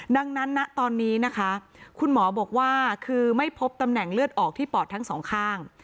ดังนั้นนะตอนนี้นะคะคุณหมอบอกว่าคือไม่พบตำแหน่งเลือดออกที่ปอดทั้งสองข้าง